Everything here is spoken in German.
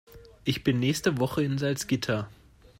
Ich bin nächste Woche in Salzgitter